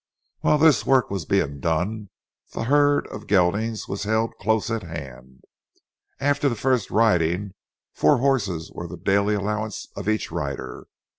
While this work was being done, the herd of geldings was held close at hand. After the first riding, four horses were the daily allowance of each rider.